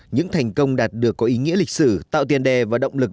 những thành công đạt được có ý nghĩa lịch sử tạo tiền đề và động lực